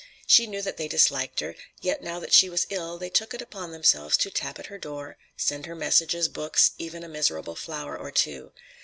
She knew that they disliked her, yet now that she was ill, they took it upon themselves to tap at her door, send her messages, books, even a miserable flower or two.